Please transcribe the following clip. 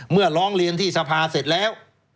เมื่อร้องเรียนที่สภาเสร็จแล้ว